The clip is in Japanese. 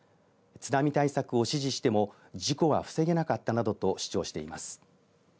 津波対策を指示しても事故は防げなかったなどと主張しています。